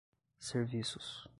serviços